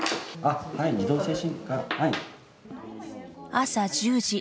朝１０時。